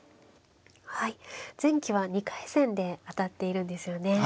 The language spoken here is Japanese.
はい前期は２回戦で当たっているんですよね。